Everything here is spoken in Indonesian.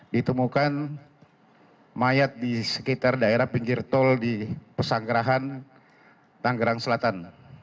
ditemukan mayat di sekitar daerah pinggir tol di pesanggerahan tanggerang selatan